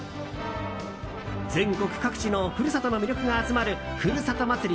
全国各地の故郷の魅力が集まるふるさと祭り